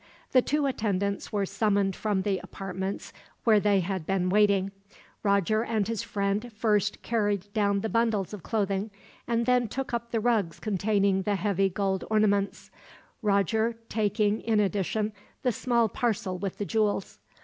The two attendants were summoned from the apartments where they had been waiting. Roger and his friend first carried down the bundles of clothing, and then took up the rugs containing the heavy gold ornaments; Roger taking, in addition, the small parcel with the jewels.